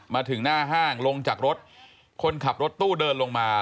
มาถึงหน้าห้างลงจากรถคนขับรถตู้เดินลงมา